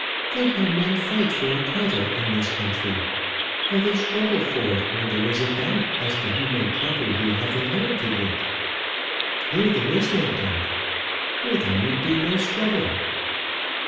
Think how men fight for a title in this country; how they struggle for it when there is a doubt as to who may properly have inherited it! Here there is no doubt. Here there need be no struggle."